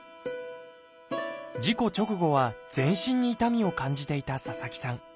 事故直後は全身に痛みを感じていた佐々木さん。